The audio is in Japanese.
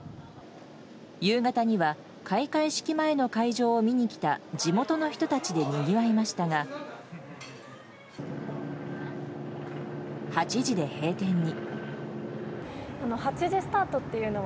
夕方には開会式前の会場を見に来た地元の人たちでにぎわいましたが８時で閉店に。